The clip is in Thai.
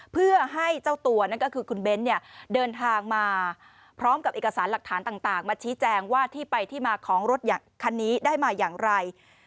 เพื่อให้เจ้าตัวนั่นก็คือคุณเบ้นเนี่ยเดินทางมาพร้อมกับเอกสารหลักฐานต่างมาชี้แจงว่าที่ไปที่มาของรถคันนี้ได้มาอย่างไร